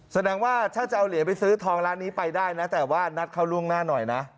แสดงว่าถ้าจะเอาเหรียญไปซื้อทองร้านนี้ไปได้นะแต่ว่านัดเขาล่วงหน้าหน่อยนะ